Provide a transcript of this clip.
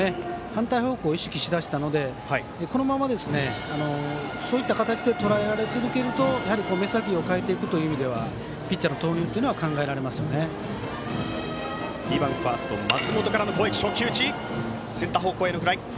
反対方向を意識し出したので、このままそういった形でとらえられ続けると目先を変えていくという意味ではピッチャーの投入は２番ファースト、松本から。